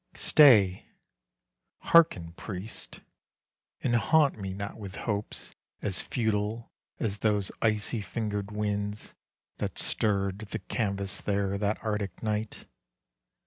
Stay, hearken, priest, and haunt me not with hopes As futile as those icy fingered winds That stirred the canvas there that arctic night.